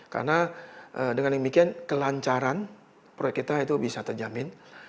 karena dengan demikian kelancaran proyek kita itu bisa terjamin